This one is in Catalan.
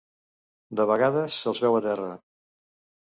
De vegades se'ls veu a terra.